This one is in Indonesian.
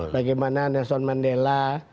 bagaimana nelson mandela